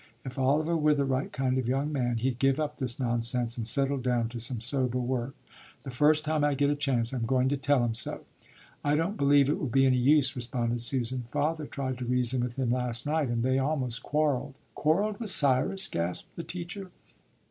"If Oliver were the right kind of young man, he'd give up this nonsense and settle down to some sober work. The first time I get a chance I'm going to tell him so." "I don't believe it will be any use," responded Susan. "Father tried to reason with him last night, and they almost quarrelled." "Quarrelled with Cyrus!" gasped the teacher.